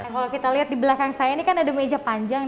kalau kita lihat di belakang saya ini kan ada meja panjang